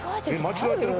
間違えてる？